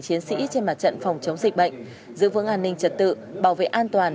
chiến sĩ trên mặt trận phòng chống dịch bệnh giữ vững an ninh trật tự bảo vệ an toàn